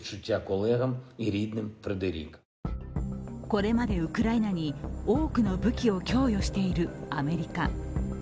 これまでウクライナに多くの武器を供与しているアメリカ。